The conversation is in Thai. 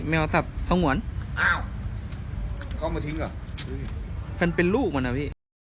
แมวสับทะหวนอ้าวเขามาทิ้งอ่ะเป็นเป็นลูกมันอ่ะพี่